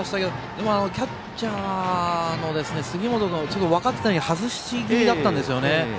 でもキャッチャーの杉本君は分かっていたように外し気味だったんですよね。